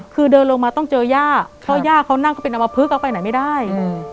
คือเดินลงมาต้องเจอย่าเพราะย่าเขานั่งก็เป็นอมพลึกเอาไปไหนไม่ได้